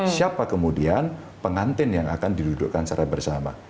siapa kemudian pengantin yang akan didudukkan secara bersama